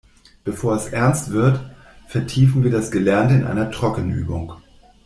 Bevor es ernst wird, vertiefen wir das Gelernte in einer Trockenübung.